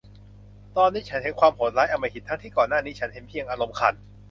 ตอนนี้ฉันเห็นความโหดร้ายอำมหิต ทั้งที่ก่อนหน้านี้ฉันเห็นเพียงอารมณ์ขัน